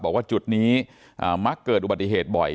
บอกว่าจุดนี้มักเกิดอุบัติเหตุบ่อย